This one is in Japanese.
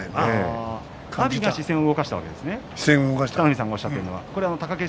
阿炎が視線を動かしたわけですね。